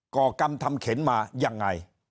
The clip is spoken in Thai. ่อกรรมทำเข็นมายังไง